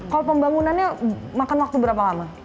kalau pembangunannya makan waktu berapa lama